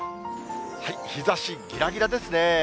日ざしぎらぎらですね。